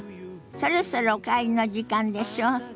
そろそろお帰りの時間でしょ？